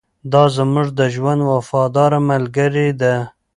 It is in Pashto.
دا زموږ د ژوند وفاداره ملګرې ده.